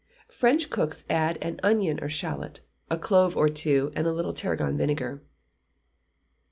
French cooks add an onion or shalot, a clove or two, or a little tarragon vinegar.